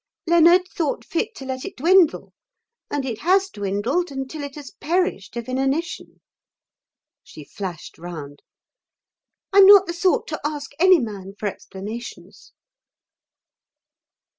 Leonard thought fit to let it dwindle, and it has dwindled until it has perished of inanition." She flashed round. "I'm not the sort to ask any man for explanations."